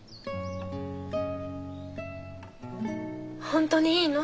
本当にいいの？